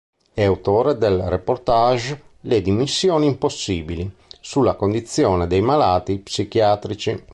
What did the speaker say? È autore del reportage "Le Dimissioni Impossibili", sulla condizione dei malati psichiatrici.